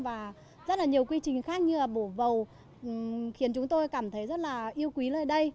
và rất là nhiều quy trình khác như là bổ vầu khiến chúng tôi cảm thấy rất là yêu quý nơi đây